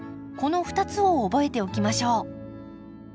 この２つを覚えておきましょう。